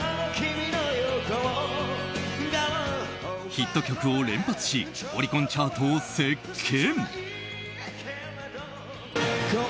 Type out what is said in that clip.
ヒット曲を連発しオリコンチャートを席巻！